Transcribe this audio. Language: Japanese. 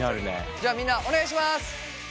じゃあみんなお願いします！